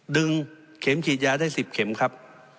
ดึงเข็มฉีดยาได้สิบเข็มครับ